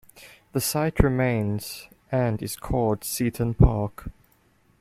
The site remains and is called Seaton Park.